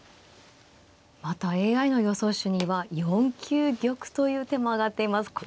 またＡＩの予想手には４九玉という手も挙がっています。